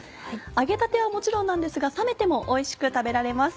揚げたてはもちろんなんですが冷めてもおいしく食べられます。